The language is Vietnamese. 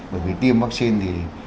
bởi vì tiêm vắc xin thì